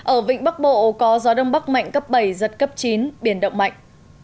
ở vịnh bắc bộ có gió đông bắc mạnh cấp bảy giật cấp chín biển động mạnh